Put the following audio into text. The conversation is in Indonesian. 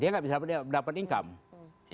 dia nggak bisa dapat income